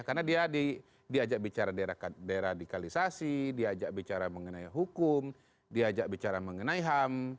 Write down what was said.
karena dia diajak bicara daerah radikalisasi diajak bicara mengenai hukum diajak bicara mengenai ham